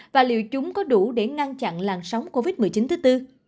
và liệu chúng có đủ để ngăn chặn làn sóng covid một mươi chín thứ tư